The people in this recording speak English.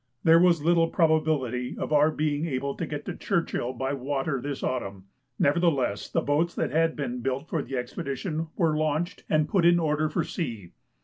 There was little probability of our being able to get to Churchill by water this autumn, nevertheless the boats that had been built for the expedition were launched and put in order for sea.